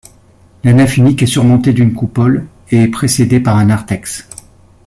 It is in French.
La nef unique est surmontée d'une coupole et est précédée par un narthex.